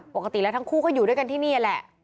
ปกติแล้วทั้งคู่ก็อยู่ด้วยกันที่นี่แหละ